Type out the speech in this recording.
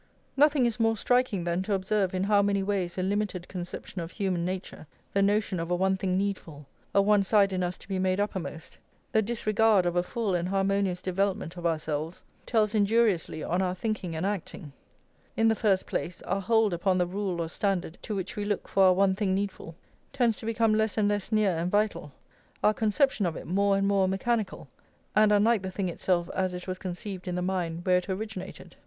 Nothing is more striking than to observe in how many ways a limited conception of human nature, the notion of a one thing needful, a one side in us to be made uppermost, the disregard of a full and harmonious development of ourselves, tells injuriously on our thinking and acting. In the first place, our hold upon the rule or standard to which we look for our one thing needful, tends to become less and less near and vital, our conception of it more and more mechanical, and unlike the thing itself as it was conceived in the mind where it originated.